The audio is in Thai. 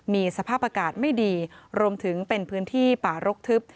มีสภาพอากาศไม่ดีรวมถึงเป็นพื้นที่ป่ารกทึบ